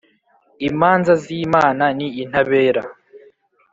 Imanza z’Imana ni intabera